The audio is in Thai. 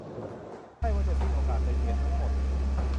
ใช่ว่าจะสิ้นโอกาสไปเสียทั้งหมด